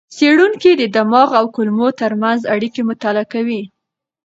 څېړونکي د دماغ او کولمو ترمنځ اړیکې مطالعه کوي.